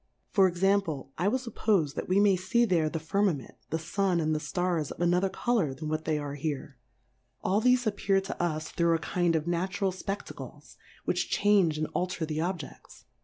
For Example, I will fuppofe that we may fee there the Fir* mament, the Sun, and the Stars, of a nother Colour than what they are here; all thefe appear to us through a kind cf E 4 JNatu 8o Difcourfes vn the Natural Spectacles, which change and alter the Objefts.